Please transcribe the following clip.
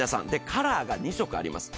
カラーが２色あります。